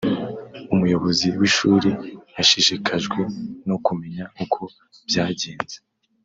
Umuyobozi w ishuri yashishikajwe no kumenya uko byagenze